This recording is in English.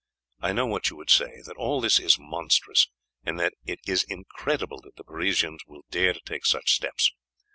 I know what you would say, that all this is monstrous, and that it is incredible that the Parisians will dare to take such steps.